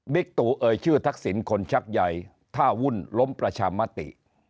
ตู่เอ่ยชื่อทักษิณคนชักใหญ่ท่าวุ่นล้มประชามติ